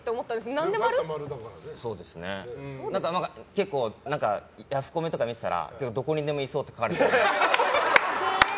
結構、ヤフコメとか見てたらどこにでもいそうって書かれてた。